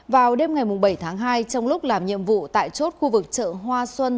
vào đêm ngày bảy tháng hai trong lúc làm nhiệm vụ tại chốt khu vực chợ hoa xuân